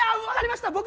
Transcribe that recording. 分かりました、